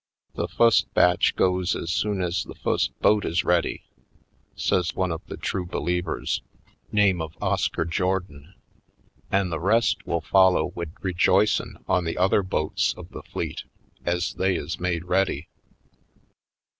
"The fust batch goes ez soon ez the fust boat is ready," says one of the true believ 154 /. Poindexter^ Colored ers, name of Oscar Jordan. "An' the rest will follow wid rejoicin' on the other boats of the fleet, ez they is made ready."